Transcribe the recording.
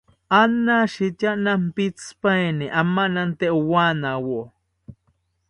Anashitya nampitzipaini amanante owanawo